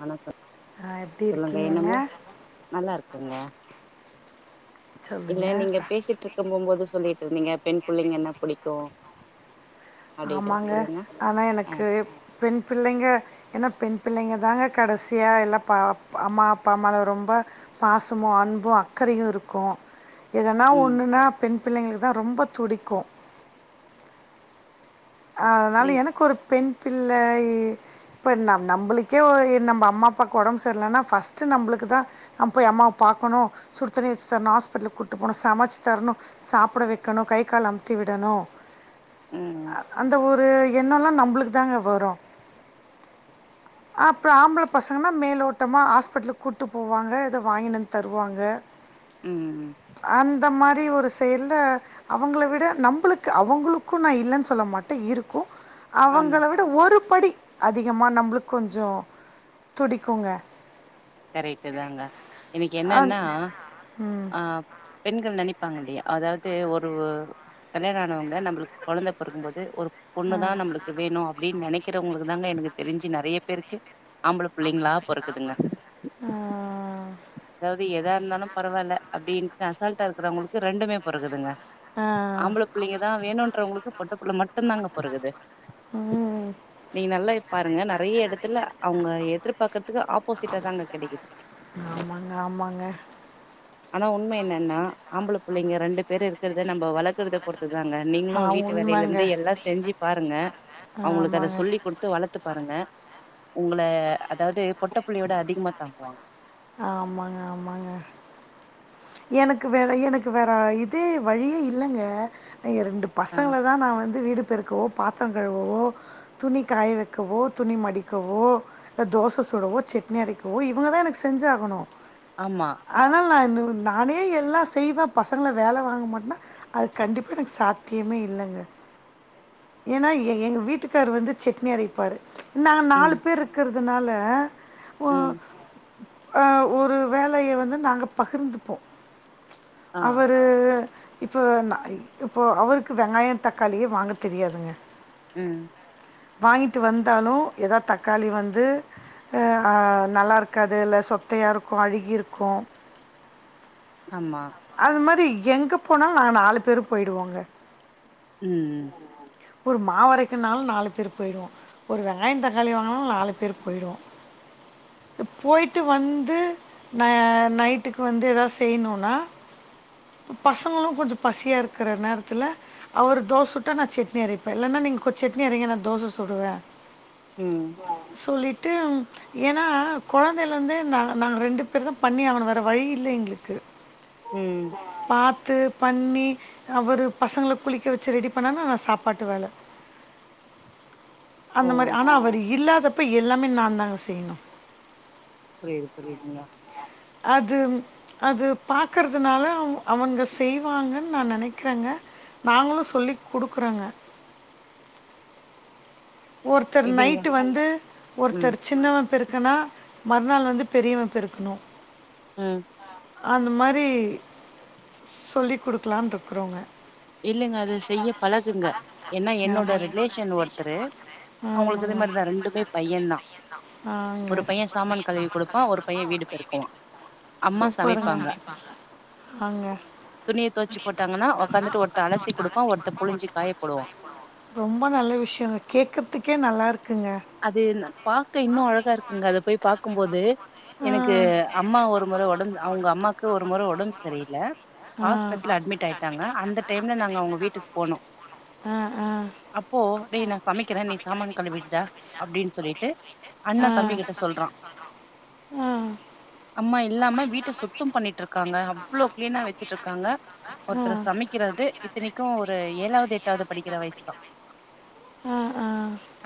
வணக்கம் ஆ, எப்படி சொல்லுங்க இருக்கீங்கங்க? என்னமோ நல்லா இருக்கங்க சொல்லுங்க. இல்ல ச நீங்க பேசிட்டு இருக்க போம்போது சொல்லிட்டு இருந்தீங்க பெண் புள்ளைங்கனா புடிக்கும் ஆமாங்க ஆனா எனக்கு பெண் பிள்ளைங்க ஏனா பெண் பிள்ளைங்க தாங்க கடைசியா எல்லா பாப் அம்மா அப்பா மேல ரொம்ப பாசமோ அன்போ அக்கறையு இருக்கும் எதனா ம் ஒன்னுனா பெண் பிள்ளைங்களுக்கு தா ரொம்ப துடிக்கும் ஆ அதனால புரியுது. எனக்கு ஒரு பெண் பிள்ளையி இப்போ நம் நம்பளுக்கே ஓ ஏ நம்ப அம்மா அப்பாக்கு ஒடம்பு சரில்லனா ஃபஸ்ட்டு நம்பளுக்கு தா நம் போய் அம்மாவ பாக்கணு சுடுத்தண்ணி வெச்சு தரணு ஹாஸ்பிட்லுக்கு கூட்டு போணு சமச்சி தர்ணு சாப்பட வெக்கணு கை கால் அம்த்தி விடணு ம் ம் அந்த ஒரு எண்ணோல்லா நம்பளுக்கு தாங்க வரோ அ அப்றோ ஆம்பள பசங்கனா மேலோட்டமா ஹாஸ்பிட்லுக்கு கூட்டு போவாங்க எதோ வாங்கினு வந்து தருவாங்க ம் அந் த மாரி ஒரு செயல்ல அவங்கள விட நம்பளுக்கு அவங்களுக்கும் நா இல்லன் சொல்ல மாட் ட இருக்கோ ஆமா அவங்கள விட் ஒரு படி அதிகமா நம்புளுக்கு கொஞ்சோ துடிக்குங்க கரெட்டு தாங்க எனிக்கு ஆ என்னன்னா ம் ஆ பெண்கள் நெனைப்பாங்க இல்லையா அதாவது ஒரு கல்யாண ஆனவங்க நம்புளுக்கு கொழந்த பொறக்கும்போது ஒரு ஆ பொண்ணு தா நம்புளுக்கு வேணு அப்டின் நெனைக்கிறவங்களுக்கு தாங்க எனக்கு தெரிஞ்சு நெறைய பேருக்கு ஆம்பள புள்ளைங்களா பொறக்குதுங்க ஆ அதாவது எதா இருந்தாலு பரவால்ல அப்டின்ட்டு அசால்ட்டா இருக்கிறவங்களுக்கு ரெண்டுமே பொறக்குதுங்க ஆ ஆ ஆம்பள புள்ளைங்கதா வேணுன்றவங்களுக்கு பொட்ட புள்ள மட்டும்தாங்க பொறக்குது ம் நீங்க நல்லா பாருங்க நெறைய எடத்துல அவங்க எதிர் பாக்கறதுக்கு ஆப்போசிட்டா தாங்க கெடைக்குது ஆமாங்க ஆமாங்க ஆனா உண்ம என்னன்னா ஆம்பள புள்ளைங்க ரெண்டு பேரு இருக்கறத நம்ம வளக்கறத பொறுத்து துதாங்க ஆ நீங்களும் வீட்டு வேலையில இருந்து உண்மைங்க எல்லா செஞ்சு பாருங்க அவுங்களுக்கு அத ஆமாங்க சொல்லி குடுத்து வளத்து பாருங்க உங்கள அதாவது பொட்ட புள்ளியோட அதிகமா தாங்குவாங்க ஆமாங்க ஆமாங்க எனக்கு வேற எனக்கு வேற இதே வழியே இல்லங்க எ ரெண்டு ஆ பசங்கள தா நா வந்து வீடு பெருக்கவோ பாத்திர கழுவவோ துணி காய வெக்கவோ துணி மடிக்கவோ தோச சுடவோ சட்னி அரைக்கவோ இவங்கதா எனக்கு செஞ்சி ஆகணு ஆமா அதனால் நா இவுனுங்குளுக் நானே எல்லா செய்வே பசங்கள வேலை வாங்க மாட்னா அது கண்டிப்பா எனக்கு சாத்தியமே இல்லங்க ஏனா ஏ எங்க வீட்டுக்காரு வந்து சட்னி அரைப்பாரு நாங்க நாலு ம் பேர் இருக்கிறதுனால ஓ ம் அ ஒரு வேலைய வந்து நாங்க பகிர்ந்துப்போ ஆ அவரு இப்போ ந இப்போ அவருக்கு வெங்காய தக்காளியே வாங்க தெரியாதுங்க ம் வாங்கிட்டு வந்தாலு எதாவது தக்காளி வந்து எ ஆ நல்லா இருக்காது இல்ல சொத்தையா இருக்கு அழுகியிருக்கு ஆமா அது மாரி எங்க போனாலு நாங்க நாலு பேரு போயிடுவோங்க ம் ஒரு மாவு அரைக்கன்னாலு நாலு பேர் போய்டுவோ ஒரு வெங்காயம் தக்காளி வாங்கினாலு நாலு பேர் போயிடுவோ இப்ப போயிட்டு வந்து ந நைட்டுக்கு வந்து எதாவது செய்ணுனா பசங்களு கொஞ்ச பசியா இருக்குற நேரத்துல அவரு தோச சுட்டா நா செட்னி அரைப்பே இல்லன்னா நீங்க கொ செட்னி அரைங்க நா தோச சுடுவே ம் ம் அ சொல்லிட்டும் ஏனா கொழந்தைலயிருந்தே நாங் நாங்க ரெண்டு பேர் தா பண்ணி தா ஆவனு வேற வழி இல்ல எங்ளுக்கு ம் பாத்து பண்ணி அவரு பசங்கள குளிக்க வெச்சு ரெடி பண்ணா நா சாப்பாட்டு வேல ஓ அந்த மாரி ஆனா அவரு இல்லாதப்ப எல்லாமே நா தாங்க செய்ணு பிரேயரு பண்ணிருக்கிங்க அதும் அது பாத் பாக்கறதுனால அவ அவங்க செய்வாங்கன்னு நா நெனைக்கிறேங்க நாங்களு சொல்லி குடுக்குறோங்க ஒருத்தர் இதுங்க நைட்டு வந்து ம் ஒருத்தர் சின்னவ பெருக்கு பெருக்குன்னா மறுநாள் வந்து பெரியவ பெருக்கணு ம் அந்த மாரி சொல்லி குடுக்கலான்னு இருக்குறோங்க இல்லங்க அத செய்ய பழகுங்க ஏன்னா என்னோட ஆமாங்க ரிலேஷன் ஒருத்தரு அவுங்களுக்கு இதே ஆமாங்க மாரித ரெண்டுமே பையன் தா ஆங்க ஒரு அம்மா பைய சாமான் கழுவி கொடுப்பா ஒரு பைய வீடு பெருக்குவா அம்மா சூப்பருங்க சமைப்பாங்க ஆங்க துணிய தொவச்சு போட்டாங்கன்னா உக்காந்துட்டு ஒரு த்த அலசி குடுப்பா ஒருத்த புழிஞ்சு காய போடுவா ரொம்ப நல்ல விஷியங்க கேக்குறதுக்கே நல்லா இருக்குங்க அது பாக்க இன்னு அழகா இருக்குங்க அதை போய் பாக்கும்போது எனக்கு ஆ அம்மா ஒரு முறை ஒடம்பு அவுங்க அம்மாக்கு ஒரு முறை ஒடம்பு சரியில்ல ஆ ஹாஸ்பிட்டல்ல அட்மிட் ஆயிட்டாங்க அந்த டைம்ல நாங்க அவுங்க வீட்டுக்கு போனோ ஆ ஆ அப்போ டேய் நா சமைக்கிறே நீ சாமான் கழுவிடுடா அப்படின்னு சொல்லிட்டு அண்ணா ஆ தம்பி கிட்ட சொல்றா ஆ அம்மா இல்லாம வீட்ட சுத்தம் பண்ணிட்டு இருக்காங்க அவ்வளோ கிளீனா வச்சிட்டு இருக்காங்க ஒருத்தர் ஆ சமைக்கிறது இத்தனைக்கு ஒரு ஏழாவது எட்டாவது படிக்கிற வயசு தா ஆ ஆ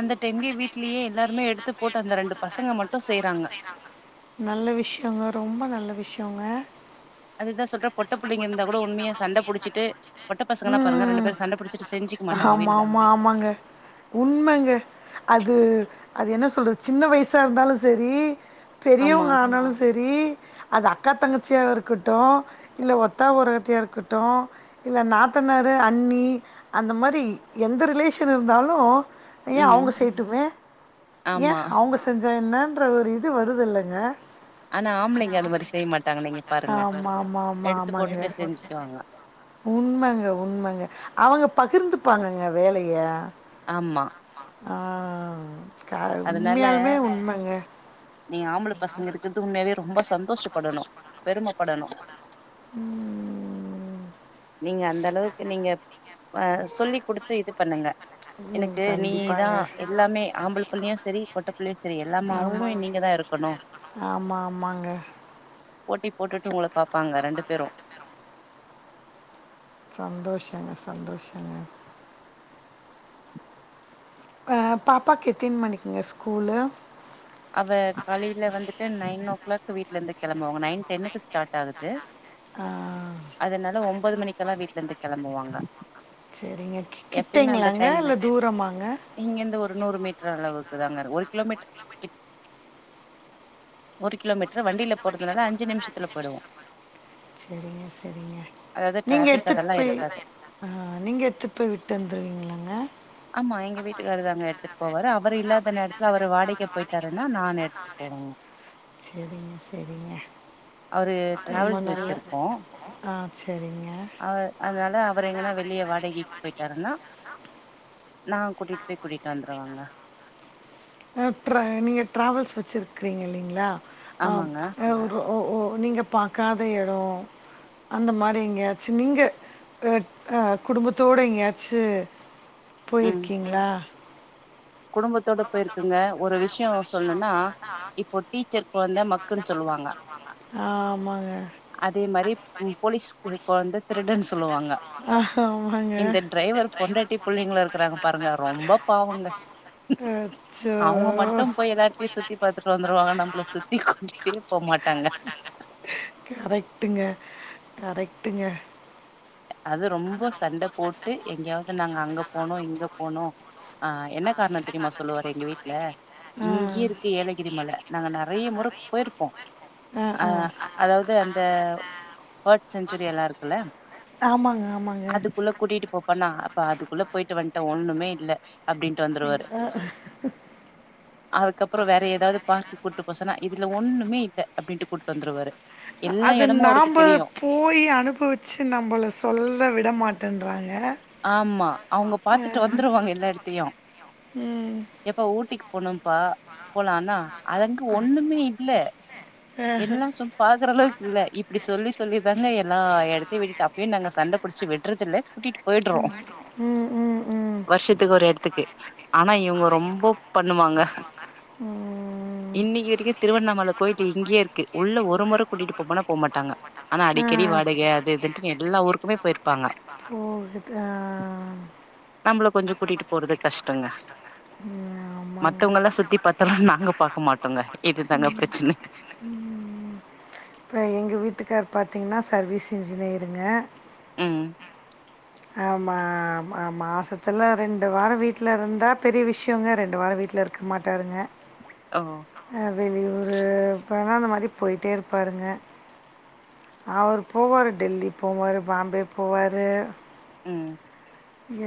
அந்த டைம்லயே வீட் டுலயே எல்லாருமே எடுத்து போட்டு அந்த ரெண்டு பசங்க மட்டு செய்யறாங்க ஆமா நல்ல விஷியங்க ரொம்ப நல்ல விஷியங்க அதுதா சொல்றே பொட்ட புள்ளைங்க இருந்தா கூட உண்மையா சண்டை புடிச்சிட்டு பொட்ட பசங்க எல்லா பாருங்க ரெண்டு ம் பேரு சண்ட புடிச்சுட்டு செஞ்சுக்க மாட்டங்க ஆமா, வீட்டுல ஆமா, ஆமாங்க உண்மைங்க அது அது என்ன சொல்றது சின்ன வயசா இருந்தாலு செரி ஆமா பெரியவங்க ஆனாலு செரி அது அக்கா தங்கச்சியா இருக்கட்டு இல்ல ஒத்தா ஓரகத்தியா இருக்கட்டு இல்ல நாத் நாத்தனாரு அண்ணி அந்த மாரி எந்த ரிலேஷன் இருந்தாலு ஏ ம் அவுங்க செய்யட்டுமே ஏ ஆமா அவுங்க செஞ்சா என்னன்ற ஒரு இது வருதுல்லைங்க ஆனா ஆம்பளைங்க அது மாரி செய்ய மாட்டாங்க நீங்க அது பாருங்க ஆமா, பாருங்க. ஆமா, ஆமா, எடுத்து ஆமாங்க. போட்டுட்டு எடுத்துக்கோ செஞ்சுக்குவாங்க உண்மைங்க உண்மைங்க அவுங்க பகிர்ந்துப்பாங்கங்க வேலைய ஆமா ஆமா ஆ க உண்மையாலுமே உண்மைங்க நீ ஆம்பளை பசங்க இருக்கிறதுக்கு உண்மையாவே ரொம்ப சந்தோஷப்படணு பெருமப்படணு உம் நீங்க அந்த அளவுக்கு நீங்க சொல்லி குடுத்து இது பண்ணுங்க ம், எனக்கு நீதா கண்டிப்பாங்க எல்லாமே ஆம்பள புள்ளையு சரி பொட்டை புள்ளையு சரி எல்லாமாவுமே நீங்க தா இருக் க்கனு ஆமா ஆமாங்க போட்டி போட்டுட்டு உங்கள பாப் பாப்பாங்க ரெண்டு பேரு சந்தோஷங்க சந்தோஷங்க பாப்பாக்கு எத்தினி மணிக்குங்க ஸ்கூலு அவ காலையில வந்துட்டு நைன் ஓ கிளாக் வீட்ல இருந்து கெளம்புவாங்க நைன் டென்னுக்கு ஸ்டார்ட் ஆகுது ஆ அதனால ஒம்பது மணிக்கெல்லாம் வீட்லருந்து கெளம்புவாங்க செரிங்க கிட்டகிளாங்க இல்ல தூரமாங்க இங்கிருந்து ஒரு நூறு மீட்டர் அளவுக்கு தாங்க ஒரு கிலோமீட்டர் கிட் ஒரு கிலோமீட் ரு வண்டில போறதுனால அஞ்சு நிமிஷத்துல போயிடுவோம் சரிங்க சரிங்க அதாவது நீங்கள் டிராபிக் எடுத்துகிட்டு அதெல்லாம் போய் இருக்காது ஆ நீங்க எடுத்துட்டு போய் விட்டு வந்துருவீங்களாங்க ஆமா எங்க வீட்டுக்காரர் தாங்க எடுத்துட்டு போவாரு அவரு இல்லாத நேரத்துல அவுரு வாடிக்கை போயிட்டாருன்னா நான் எடுத்து போவேன் செரிங்க செரிங்க அவரு ரொம்ப டிராவல்ஸ் நல்ல வச்சிருக்கோ ஆ செரிங்க அவர் அதனால அவர் எங்கன்னா வெளியே வாடகிக் போயிட்டார்னா நா கூட்டிட்டு போய் கூட்டிட்டு வந்துருவேங்க அ ட்ரெய்னி நீங்கள் ட்ராவல்ஸ் வச்சிருக்கீங்க இல்லீங்ளா ஆமாங்க ஆப் ஓஓ நீங்க பாக்காத எடோவ் அந்த மாரி எங்காச்சோ நீங்க குடும்பத்தோடு எங்கயாச்சு ம் போயிருக்கீங்ளா குடும்பத்தோட போயிருக்கேங்க ஒரு விஷ்யோ சொல்லோன்னா இப்போ டீச்சர் கொழந்த மக்குன்னு சொல்லுவாங்க ஆ ஆமாங்க அதே மாரி போலீஸ் கொழந்த திருடன் சொல்லுவாங்க ஆமாங்க இந்த டிரைவர் பொண்டாட்டி புள்ளிங்ளோ இருக்காங்க பாருங்க ரொம்ப பாவங்க அவுங்க அச்சோ மட்டோ போய் எல்லாத்தியு சுத்தி பாத்துட்டு வந்துருவாங்க நம்பள சுத்தி கூட்டிட்டே போ மாட்டாங்க கரெக்டுங்க கரெக்டுங்க அது ரொம்ப சண்ட போட்டு எங்கியாவ்து நாங்க அங்க போனோ இங்க போனோ ஆ என்ன கார்ணோ‌ தெரிமா சொல்லுவாரு எங்க வீட்ல ஆ இங்யே இருக்கு ஏலகிரி மல நாங்க நெறைய முற போயிருப்போ ஆ அ ஆ அதாவது அந்த பஹட் சென்சுரில்லா இருக்குல்ல ஆமாங்க ஆமாங் அதுக்குள்ள கூட்டிட்டு போப்பான்னாங்க பா அதுக்குள்ள போய்ட்டு வந்துட்டே ஒண்ணுமே இல்ல அப்டின் வந்துருவாரு ஆ, [inaudible] அதுக்கப்றோ வேற ஏதாவது பார்க்கு கூட்டு போசோன்னா இதுல ஒண்ணுமே இல்லை அப்டின்ட்டு கூட்டு வந்துருவாரு எல்லா அது எடமோ அவருக்கு நாம் தெரியோ போய் அனுபவிச்சி நம்பள சொல்ல விட மாட்டேன்றாங்க ஆமா அவங்க ஆ. பாத்துட்டு வந்துருவாங்க எல்லா எட்த்தியு ம் எப்போ ஊட்டிக்கு போனோ அப்பா போலான்னா அதங்கு ஒண்ணுமே இல்ல ஆ. எல்லாம் சும் பாக்குற அளவுக்கு இல்ல இப்டி சொல்லி சொல்லிதாங்க எல்லா எடத்தயோ விட்டுட்டா டின்நாங்க சண்டபுட்சி விட்ரதில்ல கூட்டிட் போயிட்றோ ம் ம் ம் வர்ஷத்துக்கு ஒரு எட்த்துக்கு ஆனா இவங்க ரொம்ப பண்ணுவாங்க ம், இன்னிக்கு வரைக்கும் திருவண்ணாமல போயிட்டு இருக்கு உள்ள ஒரு முற கூட்டிட்டு போம்மனா போ மாட்டாங்க ஆனா ஆ, அடிக்கடி வாடக அது இதுண்டு எல்லா ஊருக்குமே போயிருப்பாங்க ஓ இதுக்க நம்பள கொஞ்சோ கூட்டிட்டு போறது கஷ்டங்க ம், ஆமாங்க மத்தவங்கல்லா சுத்தி பார்த்தாலு நாங்க பாக்க மாட்டோங்க இதுதாங்க பிரச்சன ம் இப்ப எங்க வீட்டுக்கார் பாத்தீங்கன்னா சர்வீஸ் இன்ஜினியருங்க ம் ஆமா மா மாசத்துல ரெண்டு வாரோ வீட்ல இருந்தா பெரிய விஷ்யங்கோ ரெண்டு வாரோ வீட்ல இர் க்க மாட்டாருங்க ஓ வெளியூரு போனா அந்த மாரி போய்ட்டே இருப்பாருங்க அவர் போவாரு டெல்லி போவாரு பாம்பே போவாரு ம்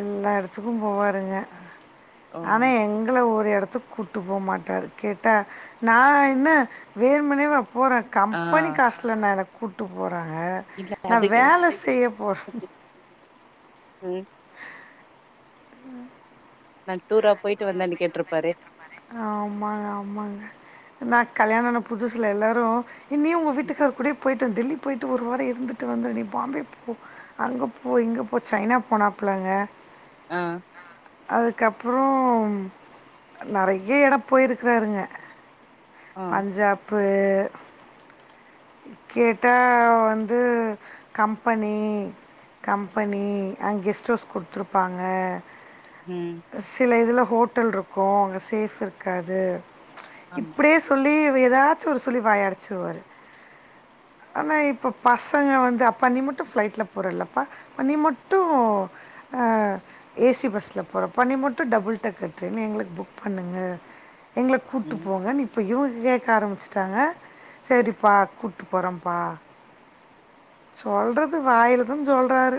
எல்லா எடத்துக்கு போவாருங்க ஓ ஆனா எங்கள ஒரு எடத்துக் கூட்டு போமாட்டாரு கேட்டா நா என்ன வேன்மின்னேவா போறே ஆ கம்பெனி காஸ்லனா என்ன கூட்டு போறாங்க இல்ல நா அதுக்கு எது- வேல செய்ய போ ம் நா டூரா போயிட்டு வந்தேன்னு கேட்ருப்பாரே ஆமாங்க ஆமாங்க நா கல்யாணோ ஆனா புதுசுல எல்லாரு இனி உங்க வீட்டுக்கார கூடே போயிட்டே டெல்லி போயிட்டு ஒரு வாரோ இருந்துட்டு வந்து நீ பாம்பே போ அங்க போ இங்க போ ச்சைனா போனாப்புள்ள க அ அதுக்கப்பறோ நெறைய எடோ போயிருக்கறாருங்க ஆ பஞ்சாப்பு கேட்டா வந்து கம்பெனி கம்பெனி அங் கெஸ்ட் ஹவுஸ் கொடுத்துருப்பாங்க ம் சில இதுல ஹோட்டல் இருக்கு அங்கே சேஃப் இருக்காது ச் ஆமா இப்டியே சொல்லி ஏதாச்சு ஒரு சொல்லி வாய அடச்சுருவாரு ஆனா இப்ப பசங்க வந்து அப்பா நீ மட்டு ஃப்ளைட்ல போறலப்பா நீ மட்டு அ ஏசி பஸ்ல போறப் பண்ணி மட்டு டபுள் டெக்கர் ட்ரெயன் எங்களுக்கு புக் பண்ணுங்க எங்கள கூட்டு ம் போங்க நீ இப்போ இவங்க கேக்க ஆரம்பிச்சட்டாங்க சரிப்பா கூட்டு போறப்பா சொல்றது வாயில தா சொல்றாரு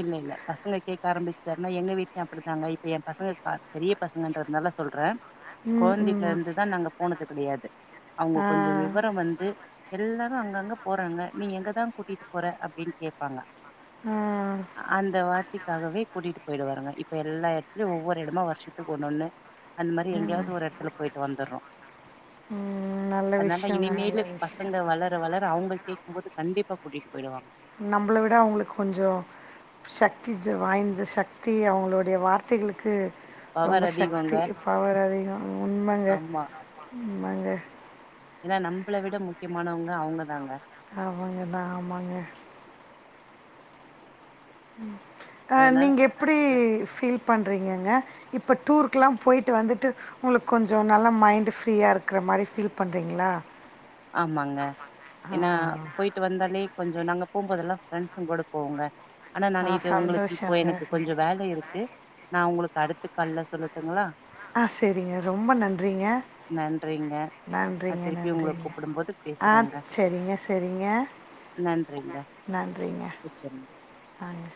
இல்ல இல்ல பசங்க கேக்க ஆரம்பிச்சுட்டாருன்னா எங்க வீட்லயு அப்டித்தாங்க இப்ப எ பசங்க பெரிய பசங்கன்றதுனால சொல்றே ம், குழந்தையில ம். இருந்துதா நாங்க போனது கிடையாது அவங்க ஆ, கொஞ்சோ விவரோ வந்து எல்லாரு அங்கங்க போறாங்க நீ எங்கதா கூட்டிட்டு போற அப்டின்னு கேப்பாங்க ம் அந்த வார்த்தைகாகவே கூட்டிட்டு போயிடுவாருங்க இப்ப எல்லா எடத்துலயு ஒவ்வொரு எடமா வருஷத்துக்கு ஒண்ணு ஒண்ணு அந்த மாரி எங்கயாவது ஒரு எடத்துல போயிட்டு வந்துர்றோ ம். நல்ல அதனால விஷயங்க. நல்ல இனிமேலு விஷயம். பசங்க வளர வளர வளர அவங்க கேக்கு போது கண்டிப்பா கூட்டிட்டு போயிடுவாங்க நம்மள விட அவங்களுக்கு கொஞ்சோ சக்தி ஜ வாய்ந்த சக்தி அவங்களுடய வார்த்தைகளுக்கு ரொம்ப பவர் அதிகோங்க சக்தி பவர் அதிகோ உண்மங்க ஆமா உண்மங்க ஏன்னா நம்பள விட முக்கியமானவங்க அவுங்க தாங்க அவுங்க தா ஆமாங்க ம் அ அதனால நீங்க எப்டி அவங்க- ஃபீல் பண்றீங்கங்க இப்ப டூருக்குக்குல்லா போயிட்டு வந்துட்டு உங்களுக்கு கொஞ்சோ நல்லா மைண்ட் ஃப்ரீயா இருக்குற மாரி ஃபீல் பண்றீங்களா ஆமாங்க ஏன்னா போயிட் போயிட்டு வந்தாலே கொஞ்சோ நாங்க போம்போதுல்லா ஃப்ரண்ட்ஸ்ங்க கூட போவோங்க ஆனா ஆ நான்னு இது உங்களுக்கு இப்போ சந்தோஷங்க எனக்கு கொஞ்சோ வேல இருக்கு நா உங்களுக்கு அடுத்து கால்லல சொல்லட்டுங்களா ஆ சேரிங்க ரொம்ப நன்றிங்க நன்றிங்க நான் நன்றிங்க திருப்பி உங்களை நன்றிங்க கூப்பிடும்போது ஆ பேசுறேங்க சேரிங்க சேரிங்க நன்றிங்க நன்றிங்க வச்சிருங்க நன்றி